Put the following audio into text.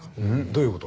どういう事？